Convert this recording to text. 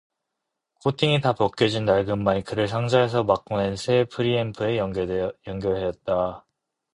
코팅이 다 벗겨진 낡은 마이크를 상자에서 막 꺼낸 새 프리앰프에 연결했다.